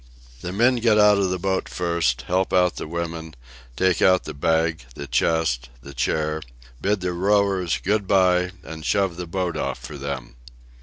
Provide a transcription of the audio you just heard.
The men get out of the boat first; help out the women; take out the bag, the chest, the chair; bid the rowers 'good bye;' and shove the boat off for them.